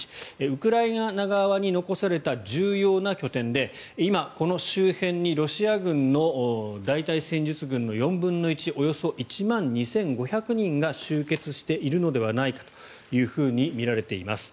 ウクライナ側に残された重要な拠点で今、この周辺にロシア軍の大隊戦術群の４分の１およそ１万２５００人が集結しているのではないかとみられています。